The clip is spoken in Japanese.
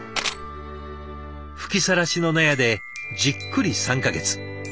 吹きさらしの納屋でじっくり３か月。